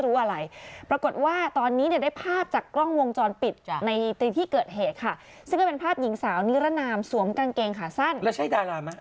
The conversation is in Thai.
อืมอืมอืมอืมอืม